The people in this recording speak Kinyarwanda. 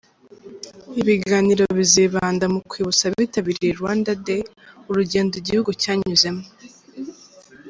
Ibiganiro bizibanda mu kwibutsa abitabiriye Rwanda Day urugendo igihugu cyanyuzemo.